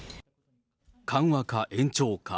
緩和か延長か。